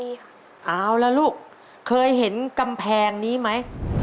เอาละลูกเคยเห็นกำแพงนี้ไหม